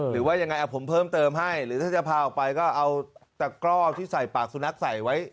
หรือว่ายังไงผมเพิ่มเติมให้หรือถ้าจะพาออกไปก็เอาตะกร่อที่ใส่ปากสุนัขใส่ไว้